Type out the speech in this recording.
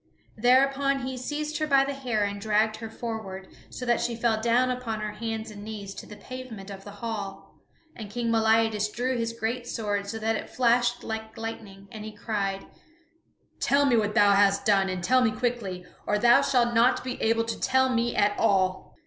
Thereupon he seized her by the hair and dragged her forward, so that she fell down upon her hands and knees to the pavement of the hall. And King Meliadus drew his great sword so that it flashed like lightning, and he cried: "Tell me what thou hast done, and tell me quickly, or thou shalt not be able to tell me at all!"